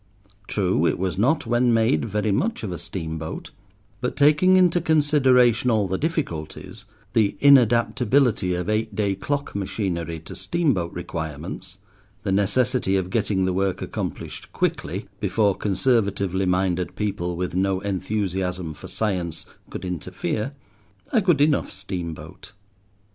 True, it was not, when made, very much of a steamboat; but taking into consideration all the difficulties—the inadaptability of eight day clock machinery to steamboat requirements, the necessity of getting the work accomplished quickly, before conservatively minded people with no enthusiasm for science could interfere—a good enough steamboat.